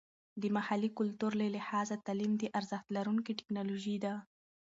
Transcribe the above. د محلي کلتور له لحاظه تعلیم د ارزښت لرونکې ټیکنالوژي ده.